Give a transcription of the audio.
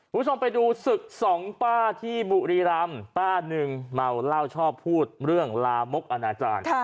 คุณผู้ชมไปดูศึกสองป้าที่บุรีรำป้าหนึ่งเมาเหล้าชอบพูดเรื่องลามกอนาจารย์